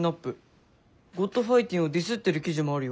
「ｇｏｄファイティン」をディスってる記事もあるよ。